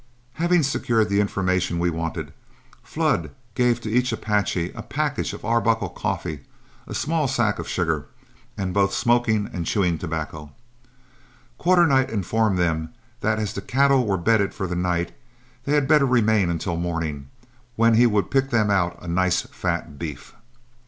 Having secured the information we wanted, Flood gave to each Apache a package of Arbuckle coffee, a small sack of sugar, and both smoking and chewing tobacco. Quarternight informed them that as the cattle were bedded for the night, they had better remain until morning, when he would pick them out a nice fat beef.